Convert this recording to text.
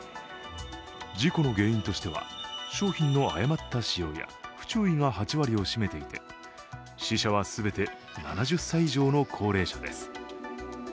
事故の原因としては商品の誤った使用や不注意が８割を占めていて、死者は全て７０歳以上の高齢者です。